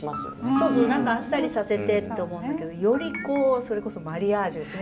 そうそう何かあっさりさせてと思うんだけどよりこうそれこそマリアージュですね丸みの。